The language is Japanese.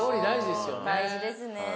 大事ですね。